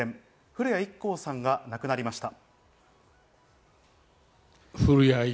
古谷一行さんが亡くなりました。